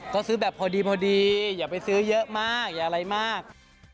ก็ซื้อแบบพอดีพอดีอย่าไปซื้อเยอะมากอย่าอะไรมาก